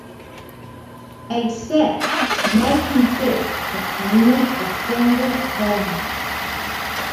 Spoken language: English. A set may consist of only a single element.